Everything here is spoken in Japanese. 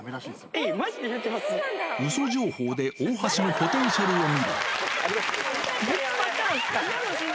え、うそ情報で大橋のポテンシャルを見る。